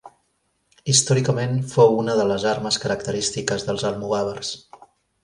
Històricament fou una de les armes característiques dels almogàvers.